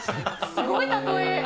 すごい例え。